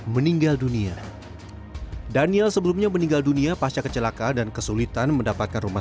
meninggal dunia daniel sebelumnya meninggal dunia pasca kecelakaan dan kesulitan mendapatkan rumah